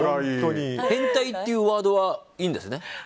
変態っていうワードはいいんですね？